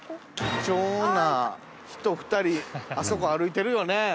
貴重な人２人あそこ歩いてるよね。